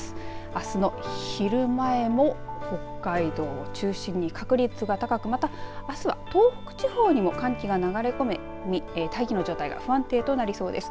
あすの昼前も北海道を中心に確率が高くまたあすは東北地方にも寒気が流れ込み大気の状態が不安定となりそうです。